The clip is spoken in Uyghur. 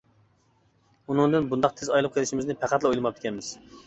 ئۇنىڭدىن بۇنداق تېز ئايرىلىپ قېلىشىمىزنى پەقەتلا ئويلىماپتىكەنمىز.